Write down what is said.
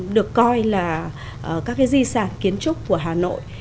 được coi là các cái di sản kiến trúc của hà nội